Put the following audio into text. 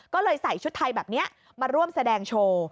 ก็เลยใส่ชุดไทยแบบนี้มาร่วมแสดงโชว์